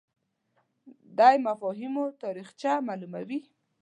دی مفاهیمو تاریخچه معلوموي